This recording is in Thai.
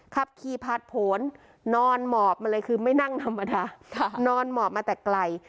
ขับขี่ผ่านผลนอนหมอบมาเลยคือไม่นั่งธรรมดานอนหมอบมาแต่ไกล